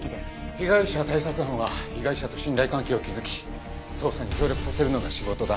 被害者対策班は被害者と信頼関係を築き捜査に協力させるのが仕事だ。